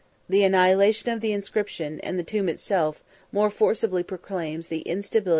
The annihilation of the inscription, and the tomb itself, more forcibly proclaims the instability of human greatness.